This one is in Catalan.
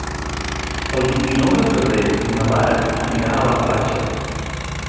El vint-i-nou de febrer na Lara anirà a la platja.